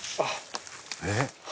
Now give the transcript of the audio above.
えっ？